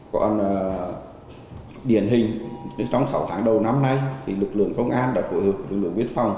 còn điển hình trong sáu tháng đầu năm nay thì lực lượng công an đã phối hợp với lực lượng biên phòng